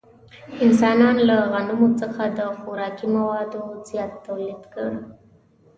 انسانانو له غنمو څخه د خوراکي موادو زیات تولید وکړ.